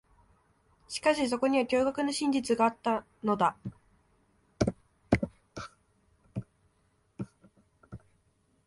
しかし、そこには驚愕の真実があったのだ。